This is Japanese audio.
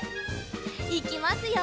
いきますよ！